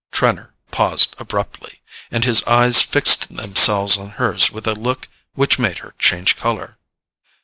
Trenor paused abruptly, and his eyes fixed themselves on hers with a look which made her change colour.